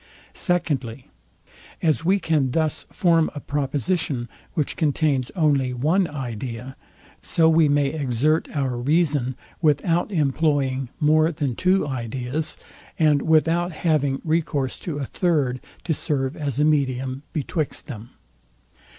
SECONDLY, As we can thus form a proposition, which contains only one idea, so we may exert our reason without employing more than two ideas, and without having recourse to a third to serve as a medium betwixt them.